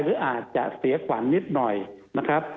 หรืออาจจะเสียขวัญนิดหน่อยนะครับ